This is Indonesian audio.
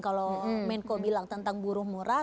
kalau menko bilang tentang buruh murah